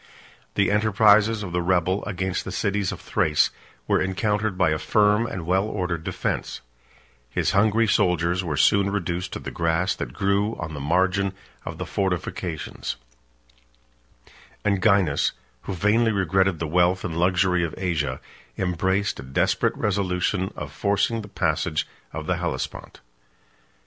The enterprises of the rebel, against the cities of Thrace, were encountered by a firm and well ordered defence; his hungry soldiers were soon reduced to the grass that grew on the margin of the fortifications; and Gainas, who vainly regretted the wealth and luxury of Asia, embraced a desperate resolution of forcing the passage of the Hellespont.